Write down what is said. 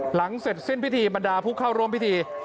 หลังเสร็จสิ้นพิธีบรรดาผู้เข้าร่วมพิธี